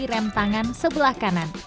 rem tangan sebelah kanan